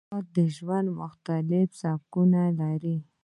حیوانات د ژوند مختلف سبکونه لري.